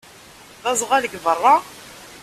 D aẓɣal deg beṛṛa?